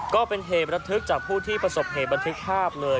ก็เป็นเหตุระทึกจากผู้ที่ประสบเหตุบันทึกภาพเลย